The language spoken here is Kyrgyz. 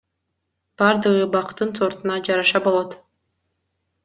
Бардыгы бактын сортуна жараша болот.